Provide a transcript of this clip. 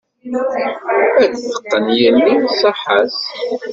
Ad t-teqqen yelli ṣaḥa-s.